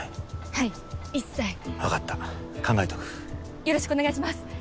はい一切分かった考えとくよろしくお願いします